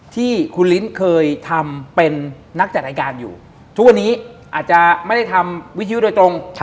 ที่คุณลิ้นเคยทำเป็นนักจัดรายการอยู่ทุกวันนี้อาจจะไม่ได้ทำวิทยุโดยตรง